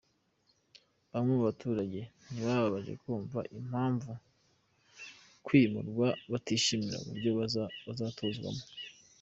Bamwe mu baturage ntibabanje kumva impamvu yo kwimurwa, batishimira uburyo bazatuzwamo.